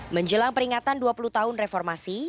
menjelang peringatan dua puluh tahun reformasi